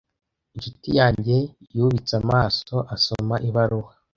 Inshuti yanjye yubitse amaso asoma ibaruwa.